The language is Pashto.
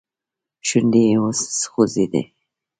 شونډي يې وخوځېدې.